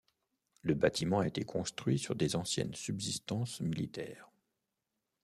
Le bâtiment a été construit sur des anciennes subsistances militaires.